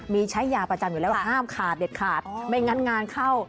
มีใช้ยาประจำอยู่แล้วห้ามขาดเด็ดขาดไม่งั้นงานเข้า